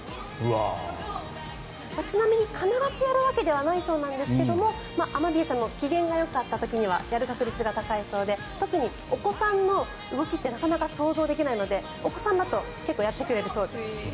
ちなみに必ずやるわけではないそうなんですがアマビエちゃんの機嫌がよかった時にはやる確率が高いそうで特にお子さんの動きってなかなか想像できないのでお子さんだと結構やってくれるそうです。